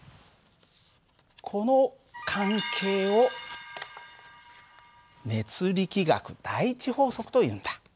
この関係を熱力学第１法則というんだ。